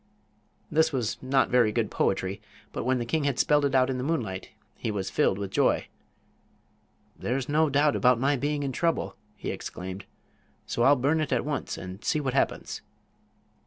This was not very good poetry, but when the king had spelled it out in the moonlight he was filled with joy. "There's no doubt about my being in trouble," he exclaimed; "so I'll burn it at once, and see what happens."